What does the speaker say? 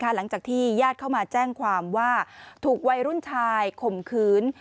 หลังจากที่ญาติเข้ามาแจ้งความว่าถูกวัยรุ่นชายข่มขืน